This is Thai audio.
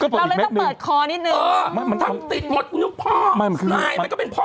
ก็เปิดอีกเม็ดหนึ่งเราเลยต้องเปิดคอนิดหนึ่งเออมันทำติดหมดมันก็เป็นพ่อ